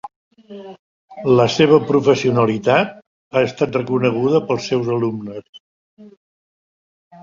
La seva professionalitat ha estat reconeguda pels seus alumnes.